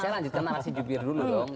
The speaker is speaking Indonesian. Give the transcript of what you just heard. saya lanjutkan narasi jubir dulu dong